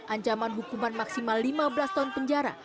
ancaman hukuman maksimal lima belas tahun penjara